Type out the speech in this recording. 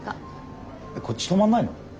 こっち泊まんないの？